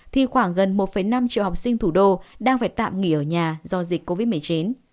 thì khoảng gần một năm triệu học sinh thủ đô đang phải tạm nghỉ ở nhà do dịch covid một mươi chín